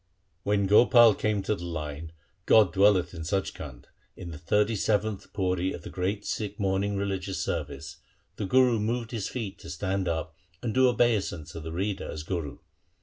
When Gopal came to the line, ' God dwelleth in Sach Khand,' in the thirty seventh pauri of the great Sikh morning religious ser vice, the Guru moved his feet to stand up and do obeisance to the reader as Guru.